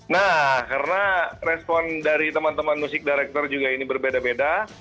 nah karena respon dari teman teman music director juga ini berbeda beda